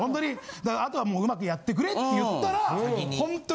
だから後はもう上手くやってくれって言ったらホントに。